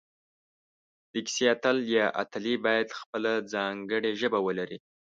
د کیسې اتل یا اتلې باید خپله ځانګړي ژبه ولري